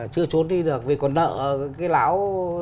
chưa trốn đi được vì còn nợ cái lão